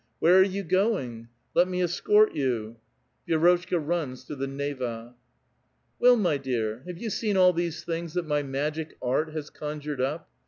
"Where are you going? Let me escort you." Vi^rotchka runs to the Neva. " Well, my dear, have you seen all these things that my magic art has conjured up?